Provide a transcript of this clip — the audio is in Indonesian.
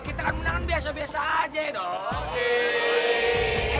hei kalian tuh sadar